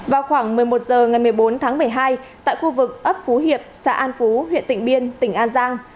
vào khoảng một mươi một h ngày một mươi bốn tháng một mươi hai tại khu vực ấp phú hiệp xã an phú huyện tỉnh biên tỉnh an giang